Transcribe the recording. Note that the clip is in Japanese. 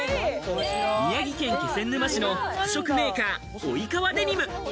宮城県気仙沼市の服飾メーカー・オイカワデニム。